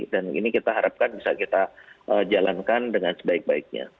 dan ini kita harapkan bisa kita jalankan dengan sebaik baiknya